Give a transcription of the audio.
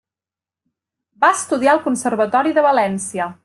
Va estudiar al Conservatori de València.